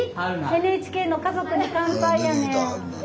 ＮＨＫの「家族に乾杯」やねん。